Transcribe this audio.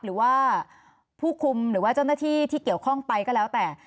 หรือว่าผู้คุมหรือว่าเจ้าหน้าที่ที่เกี่ยวข้องไปก็แล้วแต่